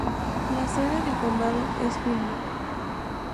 La sede del condado es Fillmore.